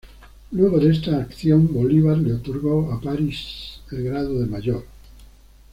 Luego de esta acción, Bolívar le otorgó a París el grado de mayor.